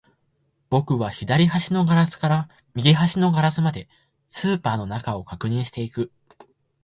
僕は左端のガラスから右端のガラスまで、スーパーの中を確認していく